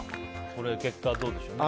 これ、結果どうでしょう。